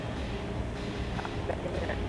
হ্যাঁ, আপনি তাকে চিনেন?